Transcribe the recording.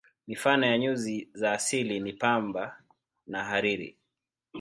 Mifano ya nyuzi za asili ni pamba na hariri.